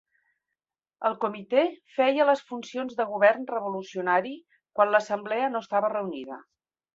El comitè feia les funcions de govern revolucionari quan l'Assemblea no estava reunida.